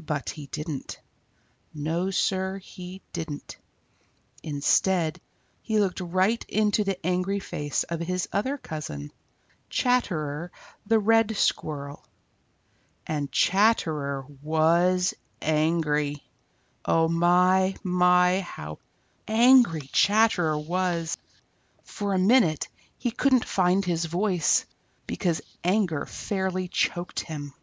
But he didn't. No, Sir, he didn't. Instead, he looked right into the angry face of his other cousin, Chatterer the Red Squirrel. And Chatterer was angry! Oh my, my, how angry Chatterer was! For a minute he couldn't find his voice, because his anger fairly choked him.